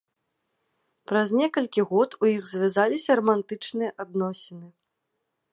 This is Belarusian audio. Праз некалькі год у іх завязаліся рамантычныя адносіны.